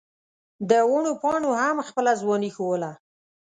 د ونو پاڼو هم خپله ځواني ښووله.